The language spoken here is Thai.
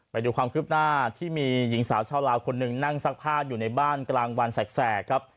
ไปดูความคืบหน้าที่มีหญิงสาวชาวลาวคนหนึ่งนั่งซักผ้าอยู่ในบ้านกลางวันแสกครับ